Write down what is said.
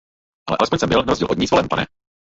Ale alespoň jsem byl, narozdíl od ní, zvolen, pane!